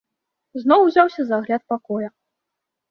Зноў узяўся за агляд пакоя.